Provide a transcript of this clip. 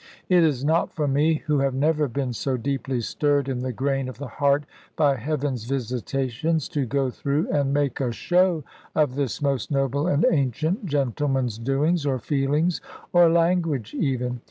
It is not for me (who have never been so deeply stirred in the grain of the heart by heaven's visitations) to go through and make a show of this most noble and ancient gentleman's doings, or feelings, or language even.